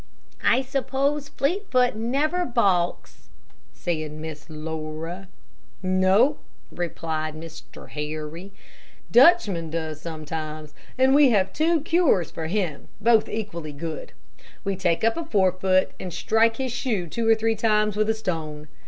"I suppose Fleetfoot never balks," said Miss Laura. "No," replied Mr. Harry; "Dutchman sometimes does, and we have two cures for him, both equally good. We take up a forefoot and strike his shoe two or three times with a stone.